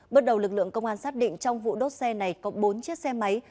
bước đầu lực lượng công an xác định trong vụ đốt xe này có bốn chiếc xe máy